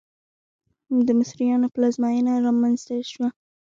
د مصریانو پلازمېنه رامنځته شوه.